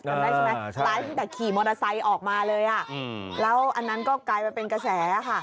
จำได้ใช่ไหมไลฟ์ตั้งแต่ขี่มอเตอร์ไซค์ออกมาเลยอ่ะแล้วอันนั้นก็กลายมาเป็นกระแสค่ะ